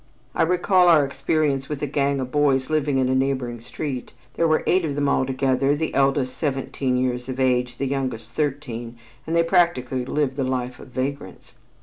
I recall our experience with a gang of boys living on a neighboring street. There were eight of them altogether, the eldest seventeen years of age, the youngest thirteen, and they practically lived the life of vagrants.